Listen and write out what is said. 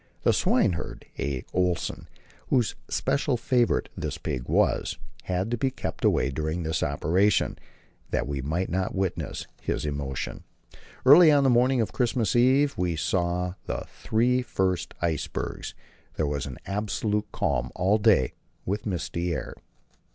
The swineherd, A. Olsen, whose special favourite this pig was, had to keep away during the operation, that we might not witness his emotion. Early on the morning of Christmas Eve we saw the three first icebergs; there was an absolute calm all day, with misty air.